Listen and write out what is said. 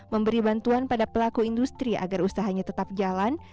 memberi bantuan pada pelaku industri agar usahanya tetap jalan